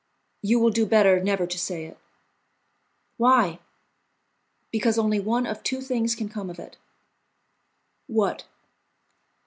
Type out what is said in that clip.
"You will do better never to say it." "Why?" "Because only one of two things can come of it." "What?"